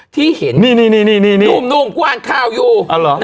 ที่เห็นนุ่มนุ่มกว้างข้าวอยู่